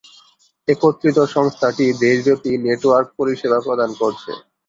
একত্রিত সংস্থাটি দেশব্যাপী নেটওয়ার্ক পরিসেবা প্রদান করছে।